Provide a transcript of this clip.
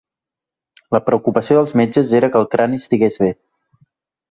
La preocupació dels metges era que el crani estigués bé.